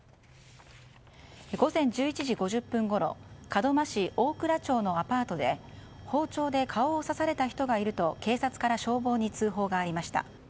午前１１時５０分ごろ門真市大倉町のアパートで包丁で顔を刺された人がいると警察から消防に通報がありました。